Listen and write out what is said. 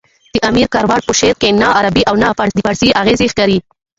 د امیر کروړ په شعر کښي نه عربي او نه د پاړسي اغېزې ښکاري.